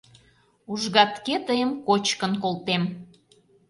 Ужгатге тыйым кочкын колтем.